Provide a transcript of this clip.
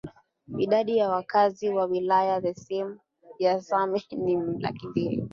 idadi ya wakazi wa wilaya ya same ni laki mbili